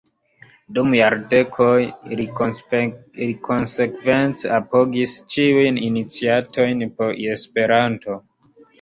Dum jardekoj li konsekvence apogis ĉiujn iniciatojn por Esperanto.